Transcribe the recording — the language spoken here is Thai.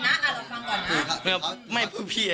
เราก็จะเช็ดนะกลับทั้งครองได้